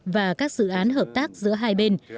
và các dự án hợp tác giữa hai bên